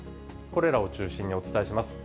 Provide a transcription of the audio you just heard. これらを中心にお伝えします。